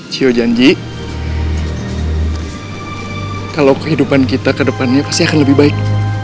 gio janji kalau kehidupan kita ke depannya pasti akan lebih baik